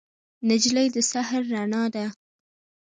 نجلۍ د سحر رڼا ده.